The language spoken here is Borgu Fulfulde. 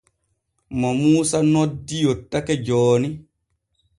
Mo Muusa noddi yottake jooni.